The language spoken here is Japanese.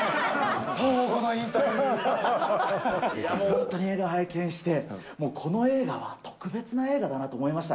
本当に映画拝見して、もう、この映画は特別な映画だなと思いました。